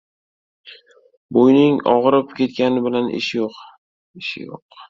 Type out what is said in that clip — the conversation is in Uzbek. Bo‘yning og‘rib ketgani bilan ishi yo‘q.